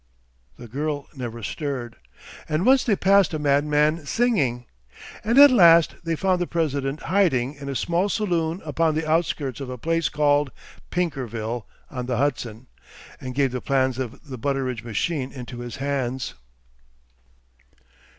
The girl never stirred. And once they passed a madman singing. And at last they found the President hiding in a small saloon upon the outskirts of a place called Pinkerville on the Hudson, and gave the plans of the Butteridge machine into his hands.